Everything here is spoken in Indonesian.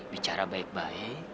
bicara baik baik saja